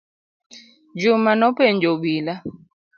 Juma nopenjo obila.